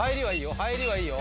入りはいいよ。